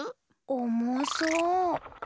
おもそう。